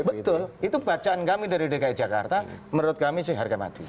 betul itu bacaan kami dari dki jakarta menurut kami sih harga mati